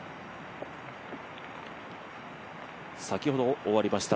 先ほど終わりました